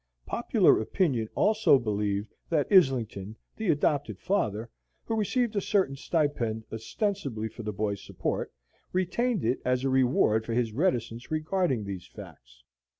Popular opinion also believed that Islington, the adopted father, who received a certain stipend ostensibly for the boy's support, retained it as a reward for his reticence regarding these facts.